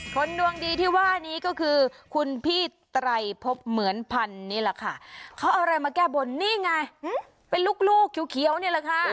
คนดวงดีที่ว่านี้ก็คือคุณพี่ไตรพบเหมือนพันธุ์นี่แหละค่ะเขาเอาอะไรมาแก้บนนี่ไงเป็นลูกลูกเขียวนี่แหละค่ะ